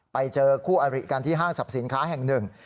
ไปเจอคู่อริกันที่ห้างสรรพสินค้าแห่งหนึ่ง